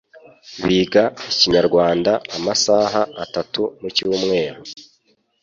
biga Ikinyarwanda amasaha atatu mu cyumweru.